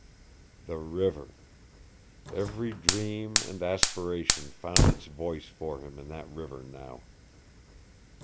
The river! Every dream and aspiration found its voice for him in that river now.